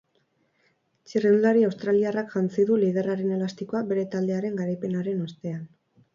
Txirrindulari australiarrak jantzi du liderraren elastikoa bere taldearen garaipenaren ostean.